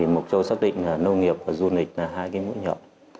mộc châu xác định là nông nghiệp và du lịch là hai cái mũi nhọn